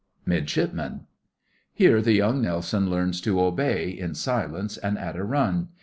MIDSHIPMEN Here the young Nelson learns to obey, in silence and at a run.